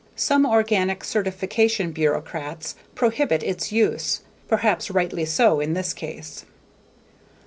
Some organic certification bureaucrats prohibit its use, perhaps rightly so in this case.